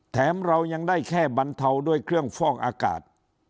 แถมเรายังได้แค่บรรเทาด้วยเครื่องฟอกอากาศ